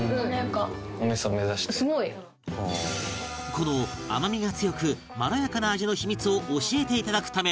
この甘みが強くまろやかな味の秘密を教えて頂くため味噌蔵へ